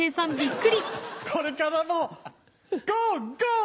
これからもゴーゴー！